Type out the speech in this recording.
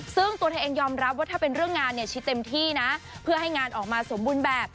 ซึ่งตัวเธอเองยอมรับว่าถ้าเป็นเรื่องงานเนี่ยชิดเต็มที่นะเพื่อให้งานออกมาสมบูรณ์แบบ